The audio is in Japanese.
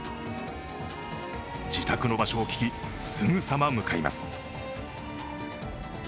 自宅の場所を聞きすぐさま向かいます。